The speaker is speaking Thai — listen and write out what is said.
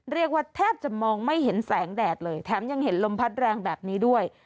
แทบจะมองไม่เห็นแสงแดดเลยแถมยังเห็นลมพัดแรงแบบนี้ด้วย